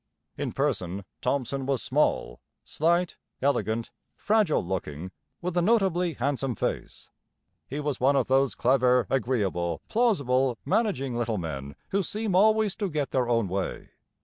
In person Thomson was small, slight, elegant, fragile looking, with a notably handsome face. He was one of those clever, agreeable, plausible, managing little men who seem always to get their own way.